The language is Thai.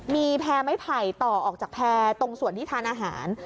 มีแพร่ไม้ไผ่ต่อออกจากแพร่ตรงส่วนที่ทานอาหาร